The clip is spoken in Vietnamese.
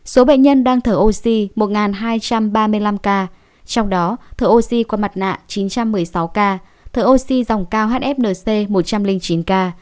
số bệnh nhân đang thở oxy một hai trăm ba mươi năm ca trong đó thở oxy qua mặt nạ chín trăm một mươi sáu ca thở oxy dòng cao hfnc một trăm linh chín ca